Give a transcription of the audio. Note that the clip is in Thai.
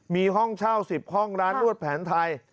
มีห้องเช่า๑๐ห้องร้านนวดแผนไทย